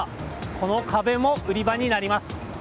この壁も売り場になります。